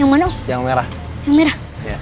yang mana om yang merah